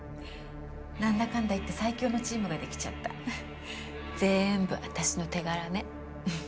なんだかんだいって最強のチームができちゃったぜんぶ私の手柄ね